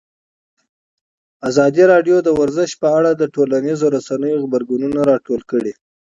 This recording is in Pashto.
ازادي راډیو د ورزش په اړه د ټولنیزو رسنیو غبرګونونه راټول کړي.